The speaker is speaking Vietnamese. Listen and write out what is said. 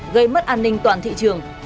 gây mất an ninh toàn thị trường